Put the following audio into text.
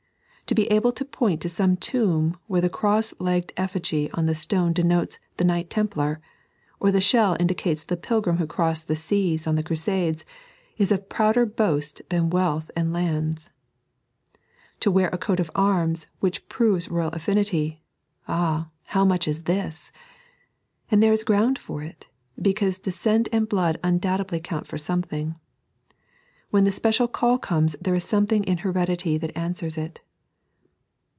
To be able to point to some tomb, where the cross legged effigy on the stone denotes the Knight Templar, or the shell indicates the pilgrim who crossed the seas on the Crusades, is of prouder boast than wealth and lands. To wear a coat of ams, which proves royal affinity — ah, how much is this ! And there is ground for it, because descent and blood undoubtedly count for something. When the special call comes there is something in heredity that answers it.